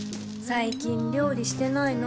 最近料理してないの？